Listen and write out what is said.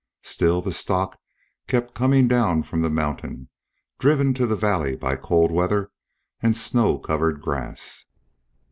Still the stock kept coming down from the mountain, driven to the valley by cold weather and snow covered grass.